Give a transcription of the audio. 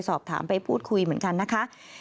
สอบถามไปพูดคุยเหมือนกันนะคะ